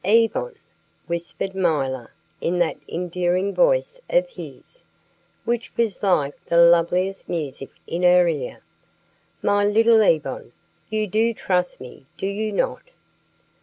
"Yvonne," whispered milor in that endearing voice of his, which was like the loveliest music in her ear, "my little Yvonne, you do trust me, do you not?"